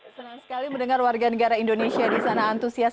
senang sekali mendengar warga negara indonesia di sana antusias